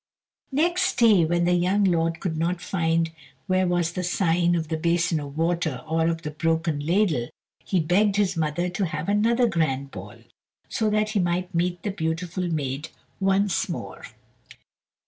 Next day when the young lord could not find where was the sign of the "Basin of Water," or of the "Broken Ladle," he begged his mother to have another grand ball, so that he might meet the beautiful maid once more.